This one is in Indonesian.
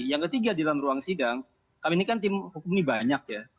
yang ketiga di dalam ruang sidang kami ini kan tim hukum ini banyak ya